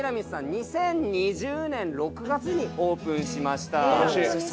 ２０２０年６月にオープンしました。